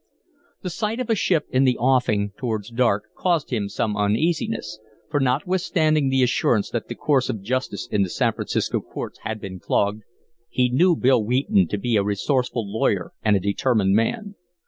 The sight of a ship in the offing towards dark caused him some uneasiness, for, notwithstanding the assurance that the course of justice in the San Francisco courts had been clogged, he knew Bill Wheaton to be a resourceful lawyer and a determined man.